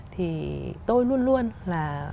thì tôi luôn luôn là